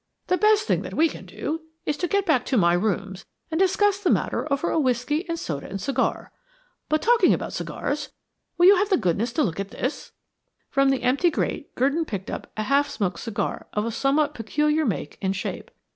The best thing we can do is to get back to my rooms and discuss the matter over a whiskey and soda and cigar. But, talking about cigars, will you have the goodness to look at this?" From the empty grate Gurdon picked up a half smoked cigar of a somewhat peculiar make and shape.